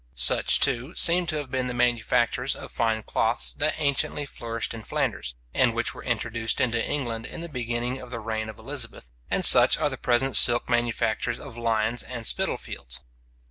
Such, too, seem to have been the manufactures of fine cloths that anciently flourished in Flanders, and which were introduced into England in the beginning of the reign of Elizabeth, and such are the present silk manufactures of Lyons and Spitalfields.